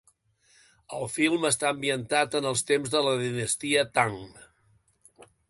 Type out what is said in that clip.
El film està ambientat en els temps de la dinastia Tang.